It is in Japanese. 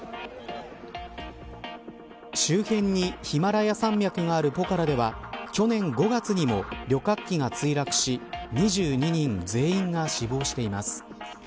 周辺にヒマラヤ山脈があるポカラでは去年５月にも旅客機が墜落し２２人全員が死亡しています。